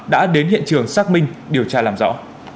đã đến hiện trường xác minh điều tra làm rõ